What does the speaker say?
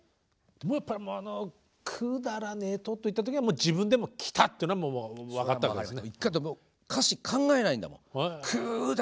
やっぱりあの「くだらねえと」って言った時には自分でも「来た！」っていうのはもう分かったわけですね。